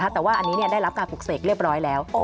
แต่ว่าอันนี้ได้รับการปลูกเสกเรียบร้อยแล้ว